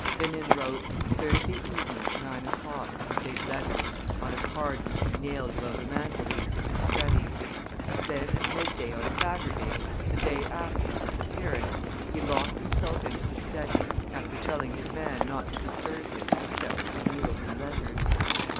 Rénine wrote, "THURSDAY EVENING, NINE O'CLOCK," in big letters, on a card which he nailed above the mantelpiece in his study. Then at midday on Saturday, the day after the disappearance, he locked himself into the study, after telling his man not to disturb him except for meals and letters.